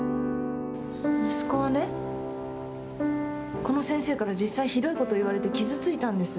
息子はね、この先生から実際、ひどいこと言われて傷ついたんです。